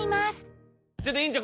ちょっと院長